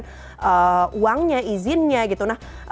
daripada uangnya izinnya gitu